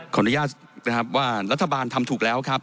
ขออนุญาตนะครับว่ารัฐบาลทำถูกแล้วครับ